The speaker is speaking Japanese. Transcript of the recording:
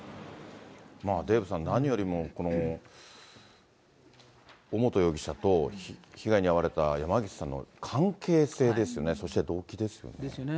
デーブさん、何よりも、尾本容疑者と、被害に遭われた山岸さんの関係性ですよね、そして動機ですよね。ですよね。